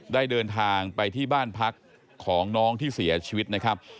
ได้เดินทางไปที่บ้านพักของน้องที่เสียชีวิตนะครับ